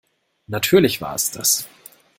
Natürlich war es das.